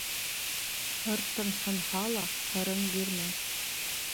Һыртың һынһа ла, һырың бирмә.